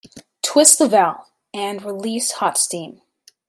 Twist the valve and release hot steam.